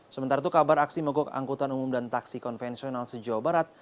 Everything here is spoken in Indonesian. sementara itu kabar aksi mogok angkutan umum dan taksi konvensional sejauh barat